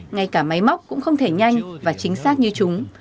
ngay cả máy móc cũng không thể nhanh và chính xác như chúng